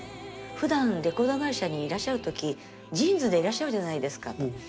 「ふだんレコード会社にいらっしゃる時ジーンズでいらっしゃるじゃないですか。